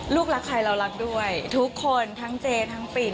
ลูกรักใครเรารักด้วยทุกคนทั้งเจทั้งปิ่น